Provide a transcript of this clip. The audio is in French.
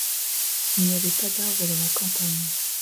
Il n’y avait pas d’arbres dans la campagne.